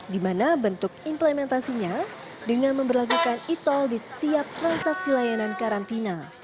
dimana bentuk implementasinya dengan memperlakukan e toll di tiap transaksi layanan karantina